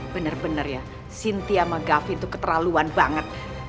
bener bener ya sinti sama gavine tuh keterlaluan banget